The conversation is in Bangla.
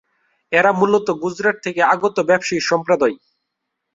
এরা মূলত গুজরাট থেকে আগত ব্যবসায়ী সম্প্রদায়।